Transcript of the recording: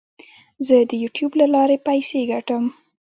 زه د یوټیوب له لارې پیسې ګټم.